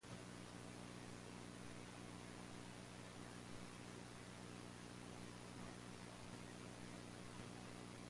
He frequently held exhibitions in northern California and areas around San Francisco.